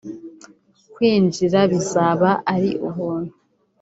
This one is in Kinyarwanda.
kwinjira bizaba ari ubuntu